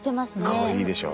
かわいいでしょ。